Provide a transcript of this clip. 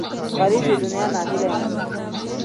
غریب له دنیا ناهیلی نه دی